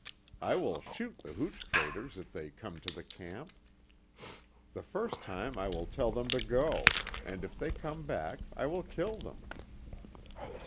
I will shoot the hooch traders if they come to the camp. The first time I will tell them to go and if they come back I will kill them."